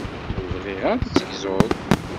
Ur bɣiɣ ara ad tegzuḍ.